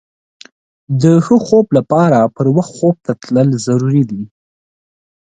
د ښه خوب لپاره پر وخت خوب ته تلل ضروري دي.